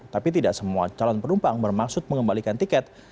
tapi tidak semua calon penumpang bermaksud mengembalikan tiket